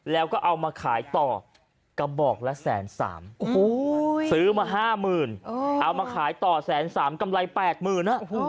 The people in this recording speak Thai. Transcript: แล้วก็เอามาขายต่อกระบอกละแสนสาม๑๐๐๐๐มา๕๐๐๐๐๐เอามาขายต่อแสนสามกำไรตี๘๐๐๐๐